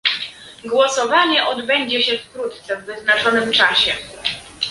Głosowanie odbędzie się wkrótce, w wyznaczonym czasie